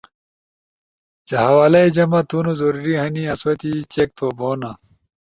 حوالئی جمع تھونو ضروری ہنی آسو تی چیک تھو بونا